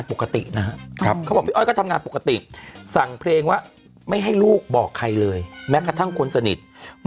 อืมอืมอืมอืม